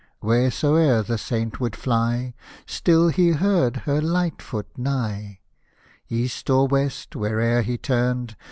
Wheresoe'er the Saint would fly, Still he heard her light foot nigh ; East or west, where'er he turned.